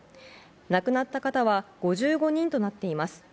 亡くなった方は５５人となっています。